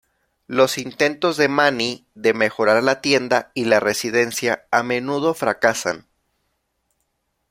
Los intentos de Manny de mejorar la tienda y la residencia a menudo fracasan.